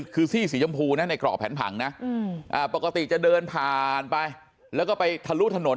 คือซี่สีชมพูนะในกรอบแผนผังนะปกติจะเดินผ่านไปแล้วก็ไปทะลุถนน